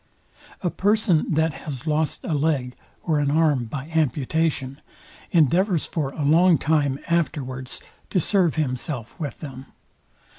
A person, that has lost a leg or an arm by amputation, endeavours for a long time afterwards to serve himself with them.